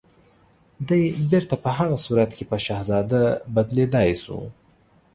دی بيرته په هغه صورت کې په شهزاده بدليدای شو